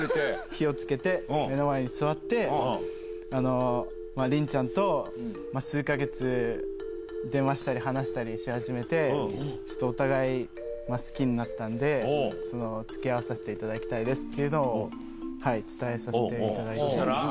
火をつけて、目の前に座って、凛ちゃんと数か月、電話したり話したりし始めて、ちょっとお互い、好きになったんで、つきあわさせていただきたいですというのを伝えさせていただいて。